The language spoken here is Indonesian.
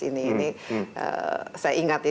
ini saya ingat ya